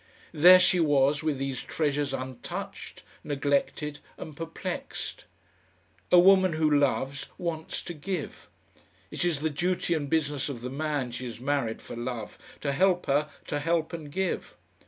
There she was with these treasures untouched, neglected and perplexed. A woman who loves wants to give. It is the duty and business of the man she has married for love to help her to help and give.